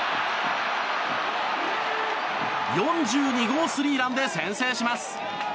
４２号スリーランで先制します。